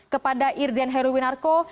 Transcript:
kepada irjen heruwinarko